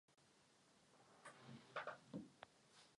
Evropská rada přijala Evropský pakt o přistěhovalectví.